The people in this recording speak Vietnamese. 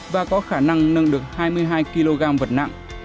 và có khả năng nâng được hai mươi hai kg vật nặng